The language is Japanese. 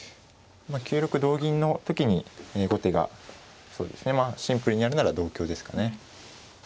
９六同銀の時に後手がシンプルにやるなら同香ですかね。